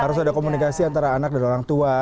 harus ada komunikasi antara anak dan orang tua